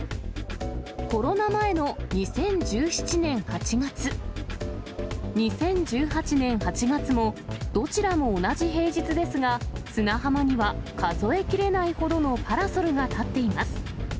コロナ前の２０１７年８月、２０１８年８月も、どちらも同じ平日ですが、砂浜には数え切れないほどのパラソルが立っています。